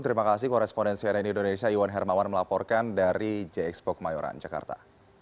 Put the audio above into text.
terima kasih koresponden cnn indonesia iwan hermawan melaporkan dari j expo kemayoran jakarta